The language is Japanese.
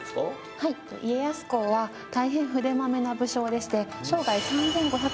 はい家康公は大変筆まめな武将でして３，５００。